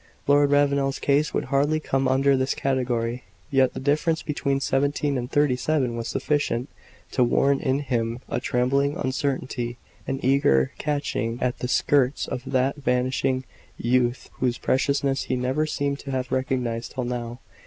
Lord Ravenel's case would hardly come under this category; yet the difference between seventeen and thirty seven was sufficient to warrant in him a trembling uncertainty, and eager catching at the skirts of that vanishing youth whose preciousness he never seemed to have recognized till now.